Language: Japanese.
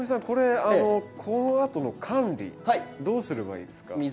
これこのあとの管理どうすればいいですか？